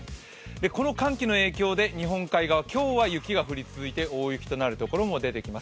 この寒気の影響で日本海側今日は雪が降り続いて大雪となる所も出てきます。